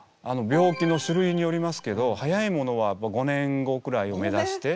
病気の種類によりますけど早いものは５年後くらいを目指して。